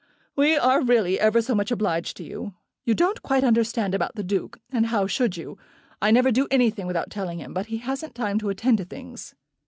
"We are really ever so much obliged to you. You don't quite understand about the Duke; and how should you? I never do anything without telling him, but he hasn't time to attend to things."